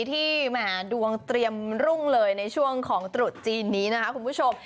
แหมดวงเตรียมรุ่งเลยในช่วงของตรุษจีนนี้นะคะคุณผู้ชม